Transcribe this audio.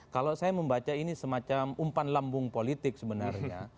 kalau saya membaca ini semacam umpan lambung politik sebenarnya